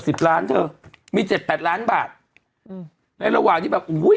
สิบล้านเธอมีเจ็ดแปดล้านบาทอืมในระหว่างที่แบบอุ้ย